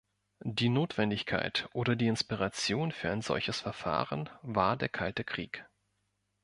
Die Notwendigkeit oder die Inspiration für ein solches Verfahren war der kalte Krieg.